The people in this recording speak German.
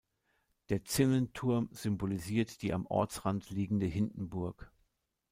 Der Zinnenturm symbolisiert die am Ortsrand liegende "Hindenburg".